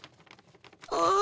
ああ。